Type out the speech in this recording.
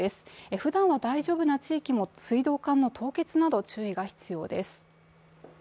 ふだんは大丈夫な地域も水道管の凍結など注意が必要です。